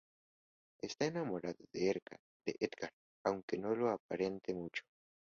Está enamorada de Edgar aunque no lo aparente mucho.